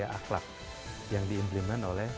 akhlak yang diimplement oleh